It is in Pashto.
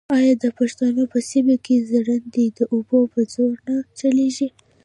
آیا د پښتنو په سیمو کې ژرندې د اوبو په زور نه چلېږي؟